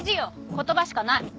言葉しかないもん。